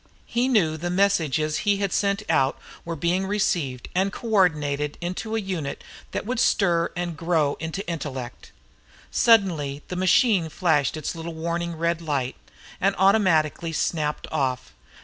He knew the messages that he had sent out were being received and coordinated into a unit that would stir and grow into intellect. Suddenly the machine flashed its little warning red light and automatically snapped off.